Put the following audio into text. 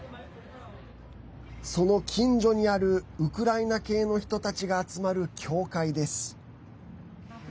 その近所にあるウクライナ系の人たちが集まる教会です。